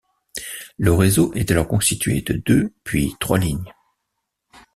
Le réseau est alors constitué de deux puis trois lignes.